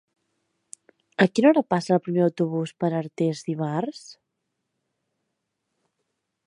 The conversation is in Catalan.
A quina hora passa el primer autobús per Artés dimarts?